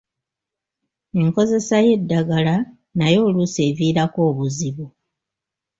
Enkozesa y’eddagala n’ayo oluusi eviirako obuzibu.